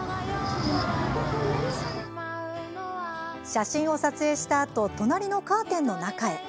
写真を撮影したあと隣のカーテンの中へ。